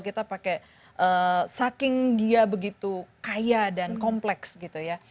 kita pakai saking dia begitu kaya dan kompleks gitu ya